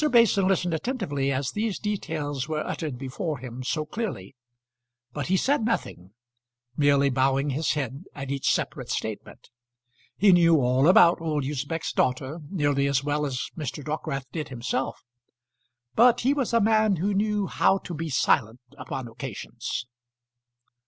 Mason listened attentively as these details were uttered before him so clearly, but he said nothing, merely bowing his head at each separate statement. He knew all about old Usbech's daughter nearly as well as Mr. Dockwrath did himself, but he was a man who knew how to be silent upon occasions.